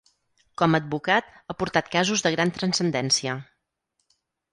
Com a advocat ha portat casos de gran transcendència.